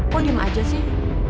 kok diem aja sih